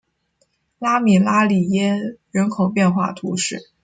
拉米拉里耶人口变化图示